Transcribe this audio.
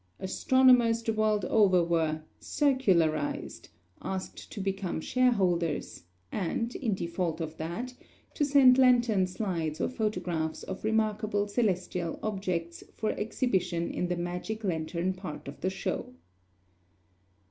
Astronomers the world over were "circularized," asked to become shareholders, and, in default of that, to send lantern slides or photographs of remarkable celestial objects for exhibition in the magic lantern part of the show.